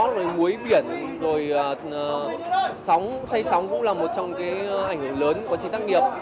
rồi muối biển rồi sóng xây sóng cũng là một trong cái ảnh hưởng lớn của trường tác nghiệp